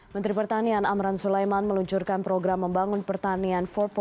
menteri pertanian amran sulaiman meluncurkan program membangun pertanian empat